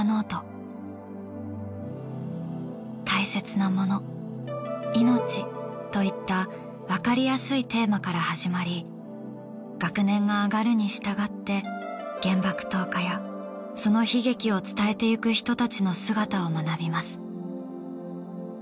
「大切なもの」「命」といったわかりやすいテーマから始まり学年が上がるにしたがって原爆投下やその悲劇を伝えていく人たちの姿を学びます。